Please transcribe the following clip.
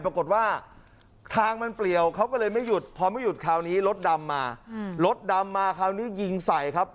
ปรากฏว่าทางมันเปลี่ยวเขาก็เลยไม่หยุดพอไม่หยุดคราวนี้รถดำมารถดำมาคราวนี้ยิงใส่ครับ